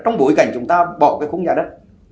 trong bối cảnh chúng ta bỏ khung giá đất